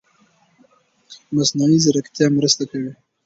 مصنوعي ځيرکتیا مرسته کوي.